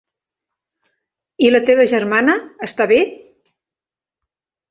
I la teva germana, està bé?